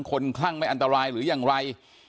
คลั่งไม่อันตรายหรือยังไร